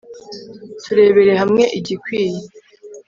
turebere hamwe igikwiye